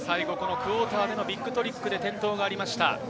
クォーターでビッグトリックで転倒がありました。